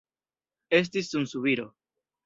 Estis sunsubiro.